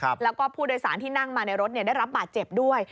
แล้วก็ผู้โดยสารที่นั่งมาในรถได้รับบาดเจ็บด้วย